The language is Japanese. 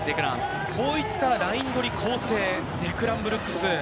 こういったライン取り、構成、デクラン・ブルックス。